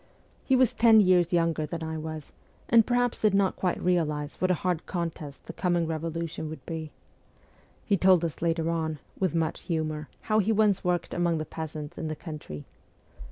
He was ten years younger than I was, and perhaps did not quite realize w v hat a hard contest the coming revolution would be. He told us later on, with much humour, how he once worked among the peasants in the country.